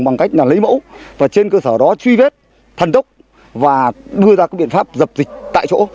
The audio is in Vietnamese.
bằng cách lấy mẫu và trên cơ sở đó truy vết thần tốc và đưa ra các biện pháp dập dịch tại chỗ